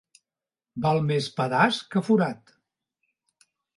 Val més pedaç que forat.